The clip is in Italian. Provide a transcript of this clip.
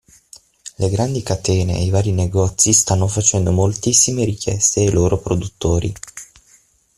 Le grandi catene e i vari negozi stanno facendo moltissime richieste ai loro produttori.